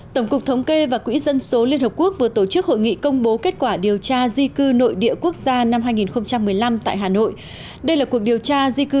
tổng cục thống kê và quỹ dân số liên hợp quốc vừa tổ chức hội nghị công bố kết quả điều tra di cư